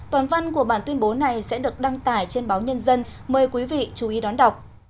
toàn văn của bản tuyên bố này sẽ được đăng tải trên báo nhân dân mời quý vị chú ý đón đọc